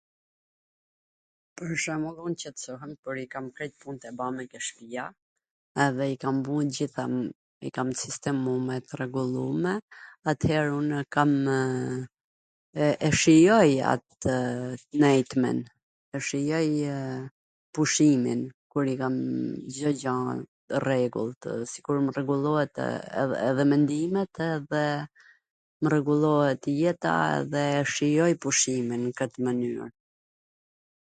Pwr shwmbull, un qetsohem kur i kam krejt punt e bame ke shpija, edhe i kam vu t gjitha... i kam t sistemume... t rregullume ... ater un kamw... e shijoj atw t ndwnjtmen, e shijoj pushimin kur i kamw Cdo gja t rregullt , sikur mw rregullohen edhe mendimet edhe mw rregullohet jeta dhe e shijoj pushimin nw kwt mwnyr.